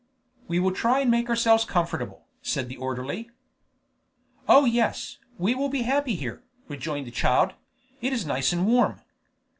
"We will try and make ourselves comfortable," said the orderly. "Oh yes, we will be happy here," rejoined the child; "it is nice and warm."